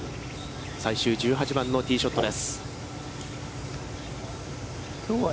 最終１８番のティーショットです。